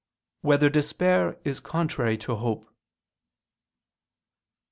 4] Whether Despair Is Contrary to Hope?